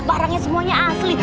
barangnya semuanya asli